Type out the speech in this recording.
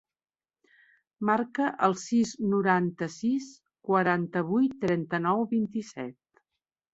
Marca el sis, noranta-sis, quaranta-vuit, trenta-nou, vint-i-set.